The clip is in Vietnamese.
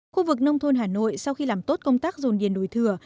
khu vực nông thôn hà nội sau khi làm tốt công tác dồn điền đổi thừa